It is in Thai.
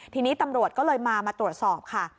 ทีนี้ตำรวจก็เลยมามาตรวจสอบค่ะ